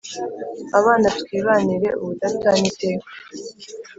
abana twibanire ubudatana iteka